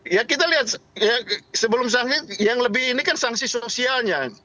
ya kita lihat sebelum ini kan sanksi sosialnya